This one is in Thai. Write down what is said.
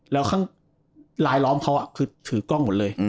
แล้วข้างลายล้อมเขาคือถือกล้องหมดเลย